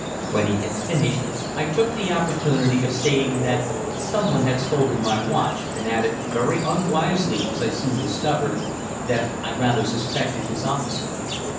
When he had finished I took the opportunity of stating that someone had stolen my watch, and added, very unwisely as I soon discovered, that I rather suspected his officer.